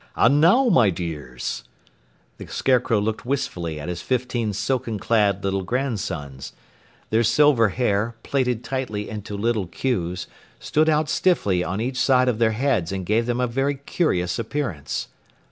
"And now, my dears !" The Scarecrow looked wistfully at his fifteen silken clad little grandsons. Their silver hair, plaited tightly into little queues, stood out stiffly on each side of their heads and gave them a very curious appearance.